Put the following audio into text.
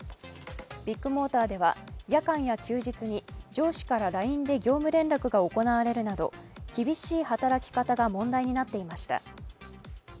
ビッグモーターでは夜間や休日に上司からＬＩＮＥで業務連絡が行われるなど厳しい働き方が問題になっていました。